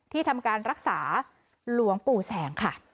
ทำการรักษาหลวงปู่แสงค่ะ